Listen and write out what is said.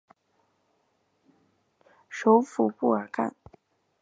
首府布尔干。